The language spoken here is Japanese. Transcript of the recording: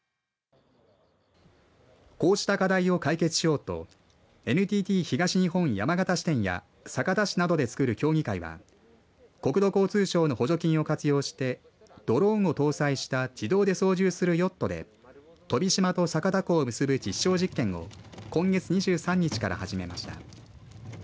こうした課題を解決しようとＮＴＴ東日本山形支店や酒田市などで作る協議会は国土交通省の補助金を活用してドローンを搭載した自動で操縦するヨットで飛島と酒田港を結ぶ実証実験を今月２３日から始めました。